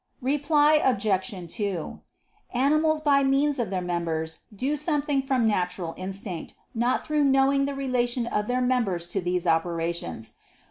Reply Obj. 2: Animals by means of their members do something from natural instinct; not through knowing the relation of their members to these operations.